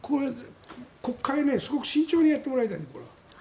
国会、すごく慎重にやってもらいたいです。